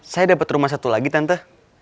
saya dapat rumah satu lagi tante